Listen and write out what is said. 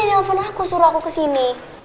mama kan udah nelfon aku suruh aku kesini